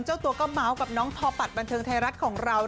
เจ้าตัวก็เหมากับบรานทึงไทยรัฐของเรานั้น